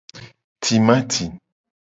Timati.